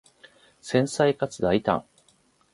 繊細かつ大胆